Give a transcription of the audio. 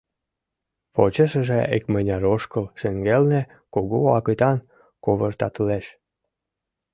Почешыже икмыняр ошкыл шеҥгелне кугу агытан ковыртатылеш.